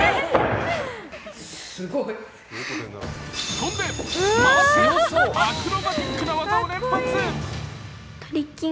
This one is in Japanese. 飛んで、回って、アクロバティックな技を連発。